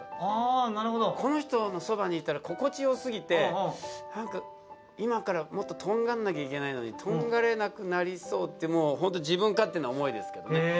あなるほどこの人のそばにいたら心地よすぎて何か今からもっととんがんなきゃいけないのにとんがれなくなりそうってもうホント自分勝手な思いですけどね